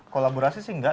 kolaborasi sih enggak